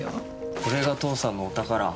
これが父さんのお宝。